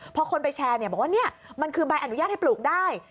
พอคนไปแชร์บอกว่านี่มันคือใบอนุญาตให้ปลูกได้